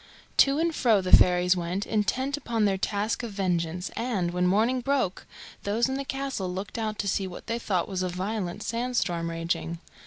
To and fro the fairies went, intent upon their task of vengeance, and, when morning broke, those in the castle looked out to see what they thought was a violent sand storm raging.